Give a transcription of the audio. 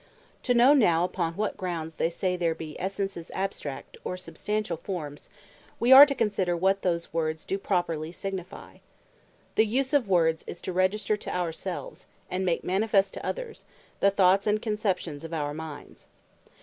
To know now upon what grounds they say there be Essences Abstract, or Substantiall Formes, wee are to consider what those words do properly signifie. The use of Words, is to register to our selves, and make manifest to others the Thoughts and Conceptions of our Minds.